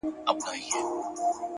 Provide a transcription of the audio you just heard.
صادق چلند د اعتماد کلا جوړوي!.